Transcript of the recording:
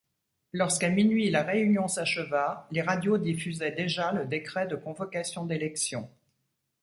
Lorsqu’à minuit la réunion s’acheva, les radios diffusaient déjà le décret de convocation d’élections.